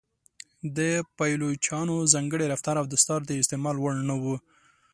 د پایلوچانو ځانګړی رفتار او دستار د استعمال وړ نه و.